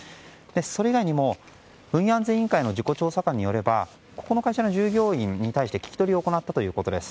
それ以外にも運輸安全委員会の調査員によりますとここの会社の従業員に対して聞き取りを行ったということです。